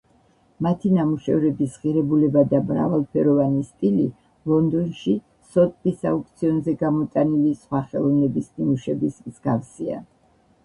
მათი ნამუშევრების ღირებულება და მრავალფეროვანი სტილი ლონდონში სოტბის აუქციონზე გამოტანილი სხვა ხელოვნების ნიმუშების მსგავსია.